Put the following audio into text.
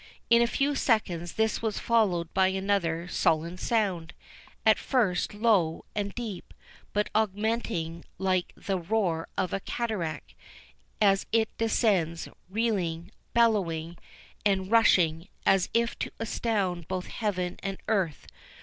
In a few seconds, this was followed by another sullen sound, at first low, and deep, but augmenting like the roar of a cataract, as it descends, reeling, bellowing, and rushing, as if to astound both heaven and earth.